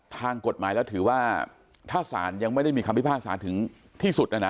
ทางกฎหมายแล้วถือว่าถ้าศาลยังไม่ได้มีคำพิพากษาถึงที่สุดนะนะ